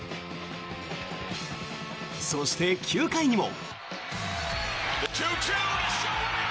そして、９回にも。